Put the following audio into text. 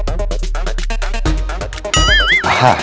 yang ada kita bakalan ketauan